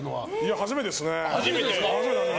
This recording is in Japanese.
初めてですか。